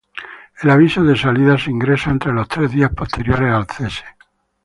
El aviso de salida, se ingresa entre los tres días posteriores al cese.